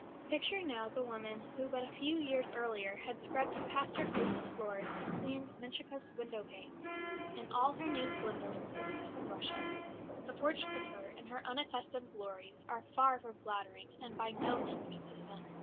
Picture now the woman who but a few years earlier had scrubbed Pastor Glück's floors and cleaned Menshikoff's window panes, in all her new splendours as Empress of Russia. The portraits of her, in her unaccustomed glories, are far from flattering and by no means consistent.